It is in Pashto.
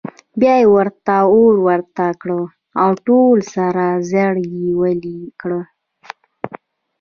بیا یې ورته اور ورته کړ او ټول سره زر یې ویلې کړل.